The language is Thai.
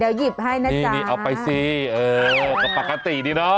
หยิบให้นะจ๊ะนี่เอาไปสิเออก็ปกติดีเนาะ